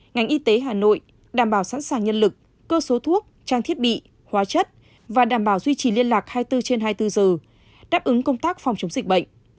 ngành y tế hà nội đảm bảo sẵn sàng nhân lực cơ số thuốc trang thiết bị hóa chất và đảm bảo duy trì liên lạc hai mươi bốn trên hai mươi bốn giờ đáp ứng công tác phòng chống dịch bệnh